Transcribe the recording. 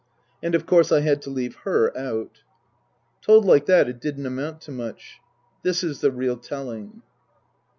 And of course I had to leave her out. Told like that, it didn't amount to much. This is the real telling.